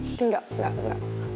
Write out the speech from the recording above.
ini enggak enggak enggak